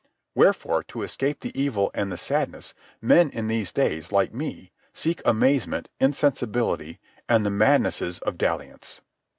Wherefore, to escape the evil and the sadness, men in these days, like me, seek amazement, insensibility, and the madnesses of dalliance."